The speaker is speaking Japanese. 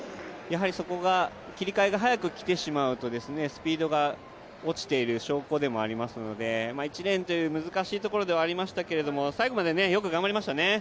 切り替えが早く来てしまうとスピードが落ちている証拠でもありますので１レーンという難しいところではありましたけれども、最後までよく頑張りましたね。